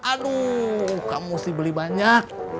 aduh kamu mesti beli banyak